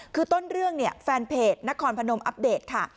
คือต้นเรื่องเนี่ยแฟนเพจนครพนมอัปเดตค่ะ